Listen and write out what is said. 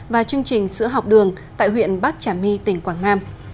và chương trình sữa học đường tại huyện bắc trà my tỉnh quảng nam